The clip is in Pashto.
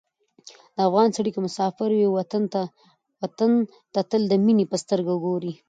د افغان سړی که مسافر وي، وطن ته تل د مینې په سترګه ګوري.